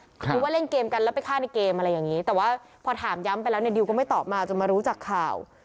หรือว่าเล่นเกมกันแล้วไปฆ่าในเกมอะไรอย่างนี้แต่ว่าพอถามย้ำไปแล้วเนี่ยดิวก็ไม่ตอบมาจนมารู้จักข่าว